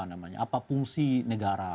apa fungsi negara